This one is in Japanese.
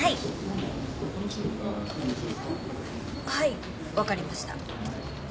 はいわかりました。